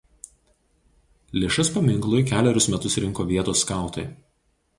Lėšas paminklui kelerius metus rinko vietos skautai.